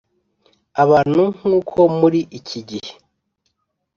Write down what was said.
abantu nk uko muri iki gihe